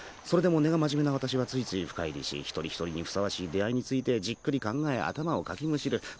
それでも根がまじめなわたしはついつい深入りし一人一人にふさわしい出会いについてじっくり考え頭をかきむしる。